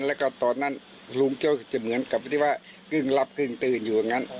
แล้วก็ตอนนั้นลุงเจ้าจะเหมือนกับที่ว่ากึ้งลับกึ้งตื่นอยู่อย่างนั้น